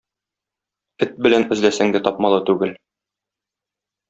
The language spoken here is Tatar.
Эт белән эзләсәң дә тапмалы түгел